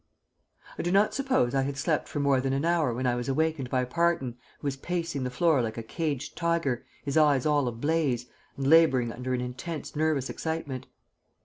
I do not suppose I had slept for more than an hour when I was awakened by Parton, who was pacing the floor like a caged tiger, his eyes all ablaze, and laboring under an intense nervous excitement.